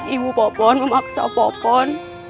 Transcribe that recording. ibu popon memaksa popon